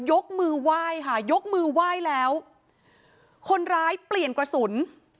ยกมือไหว้ค่ะยกมือไหว้แล้วคนร้ายเปลี่ยนกระสุน